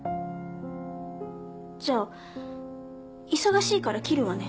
じゃあ忙しいから切るわね。